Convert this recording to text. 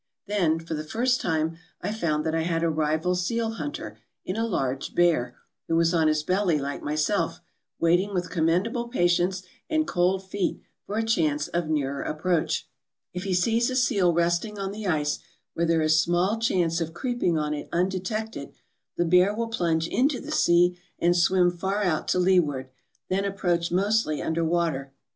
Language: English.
Then, for the first time, I found that I had a rival seal hunter in a large bear, who was on his belly like myself, waiting with commendable patience and cold feet for a chance of nearer approach. " If he sees a seal resting on the ice where there is small chance of creeping on it undetected, the bear will plunge into the sea and swim far out to leeward, then approach mostly under water.